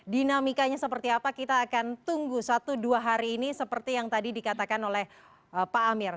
dinamikanya seperti apa kita akan tunggu satu dua hari ini seperti yang tadi dikatakan oleh pak amir